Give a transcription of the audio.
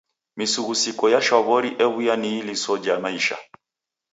Misughusiko ya shwaw'ori ew'uya ni iliso ja maisha.